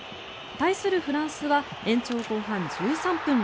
対するフランスは延長後半１３分。